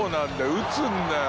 打つんだよ。